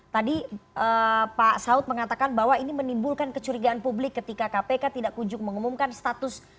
tadi pak saud mengatakan bahwa ini menimbulkan kecurigaan publik ketika kpk tidak kunjung mengumumkan status